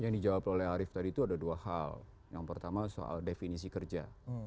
yang dijawab oleh arief tadi itu ada dua hal yang pertama soal definisi kerja